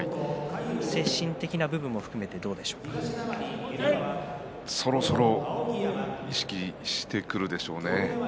精神的な部分も含めてそろそろ意識してくるでしょうね。